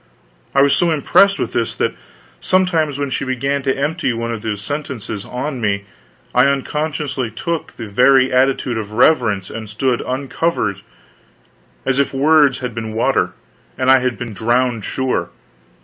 I was so impressed with this, that sometimes when she began to empty one of these sentences on me I unconsciously took the very attitude of reverence, and stood uncovered; and if words had been water, I had been drowned, sure.